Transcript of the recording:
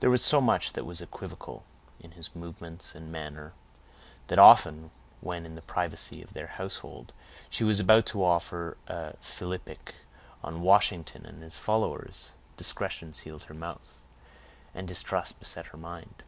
There was so much that was equivocal in his movements and manner, that often, when, in the privacy of their household, she was about to offer a philippic on Washington and his followers, discretion sealed her mouth, and distrust beset her mind.